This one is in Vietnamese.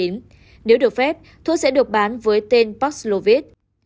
nếu được phép thuốc sẽ được bán với tên paxlovite